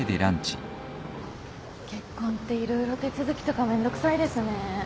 結婚って色々手続きとかめんどくさいですね。